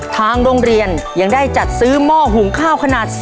ทางโรงเรียนยังได้จัดซื้อหม้อหุงข้าวขนาด